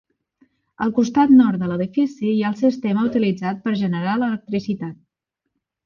Al costat nord de l'edifici hi ha el sistema utilitzat per generar l'electricitat.